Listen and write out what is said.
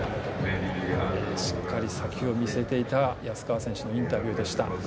しっかり先を見据えていた安川選手のインタビューでした。